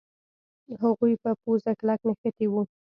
هغوی په پوزه کلک نښتي وو.